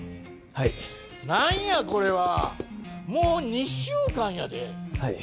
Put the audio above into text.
はい何やこれはもう２週間やではい